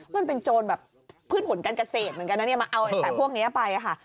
มันเป็นโจรแบบพืชผลการเกษตรเหมือนกันนะเนี่ยมาเอาแต่พวกนี้ไปค่ะ